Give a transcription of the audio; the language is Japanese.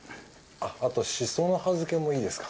あとしその葉漬けもいいですか？